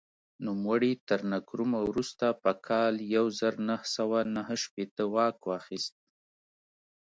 نوموړي تر نکرومه وروسته په کال یو زر نهه سوه نهه شپېته واک واخیست.